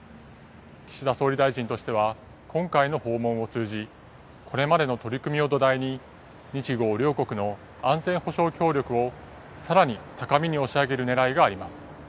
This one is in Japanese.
岸田総理大臣としては今回の訪問を通じこれまでの取り組みを土台に日豪両国の安全保障協力をさらに高みに押し上げるねらいがあります。